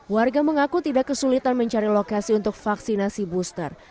warga mengaku tidak kesulitan mencari lokasi untuk vaksinasi booster